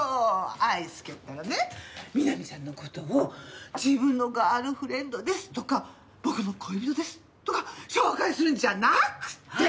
愛介ったらね南ちゃんの事を「自分のガールフレンドです」とか「僕の恋人です」とか紹介するんじゃなくて。